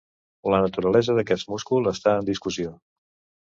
La naturalesa d'aquest múscul està en discussió.